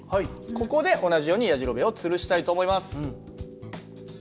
ここで同じようにやじろべえをつるしたいと思います。